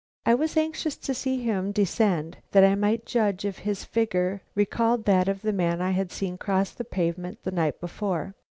I was anxious to see him descend that I might judge if his figure recalled that of the man I had seen cross the pavement the night before.